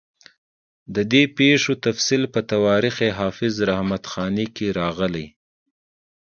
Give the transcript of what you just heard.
د دې پېښو تفصیل په تواریخ حافظ رحمت خاني کې راغلی.